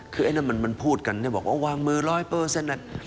คือไอ้นั่นมันพูดกันบอกว่าวางมือ๑๐๐น่ะ